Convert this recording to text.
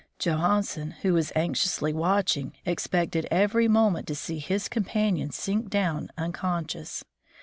Johan sen, who was anxiously watching, expected every moment to see his companion sink down unconscious.